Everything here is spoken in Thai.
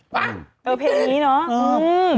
วะเป็นนี้เนอะเออมื้อ